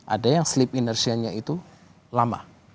ada yang sleep inercience nya itu lama